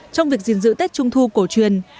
trong việc gìn giữ tết trung thu cổ truyền